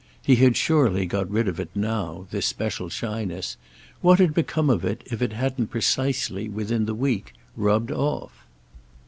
He had surely got rid of it now, this special shyness; what had become of it if it hadn't precisely, within the week, rubbed off?